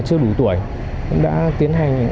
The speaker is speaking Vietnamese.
chưa đủ tuổi đã tiến hành